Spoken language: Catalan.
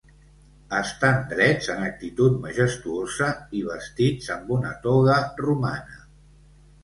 Estan drets en actitud majestuosa i vestits amb una toga romana.